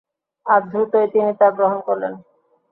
আর দ্রুতই তিনি তা গ্রহণ করলেন।